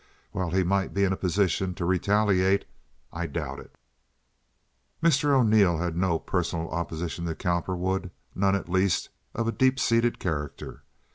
While he might be in a position to retaliate, I doubt it." Mr. Arneel had no personal opposition to Cowperwood—none, at least, of a deep seated character.